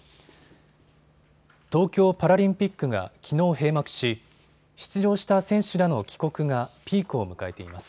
東京パラリンピックがきのう閉幕し、出場した選手らの帰国がピークを迎えています。